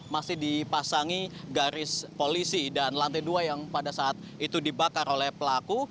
masih dipasangi garis polisi dan lantai dua yang pada saat itu dibakar oleh pelaku